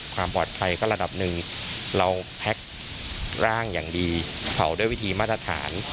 ความปลอดภัยก็ระดับหนึ่งเราแพ็คร่างอย่างดีเผาด้วยวิธีมาตรฐาน